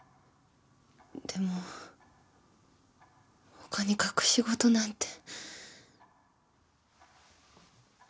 でもほかに隠し事なんて。